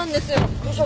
どうしたの？